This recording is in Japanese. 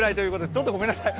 ちょっとごめんなさい